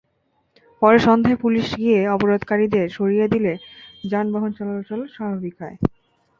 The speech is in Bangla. পরে সন্ধ্যায় পুলিশ গিয়ে অবরোধকারীদের সরিয়ে দিলে যানবাহন চলাচল স্বাভাবিক হয়।